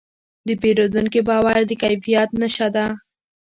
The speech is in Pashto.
د پیرودونکي باور د کیفیت نښه ده.